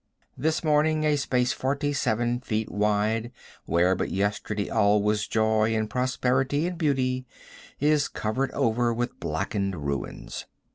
This morning a space forty seven feet wide, where but yesterday all was joy and prosperity and beauty, is covered over with blackened ruins.